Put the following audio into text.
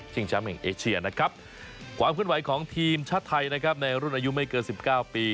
แชมป์แห่งเอเชียนะครับความเคลื่อนไหวของทีมชาติไทยนะครับในรุ่นอายุไม่เกินสิบเก้าปี